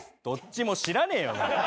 どっちも知らねえよ！